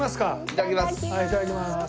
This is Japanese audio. いただきます。